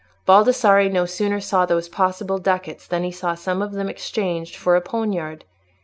Baldassarre no sooner saw those possible ducats than he saw some of them exchanged for a poniard.